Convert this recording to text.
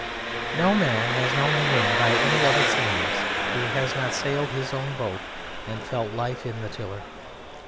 No man has known the wind by any of its names who has not sailed his own boat and felt life in the tiller.